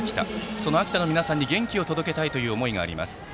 その秋田の皆さんに元気を届けたいという思いがあります。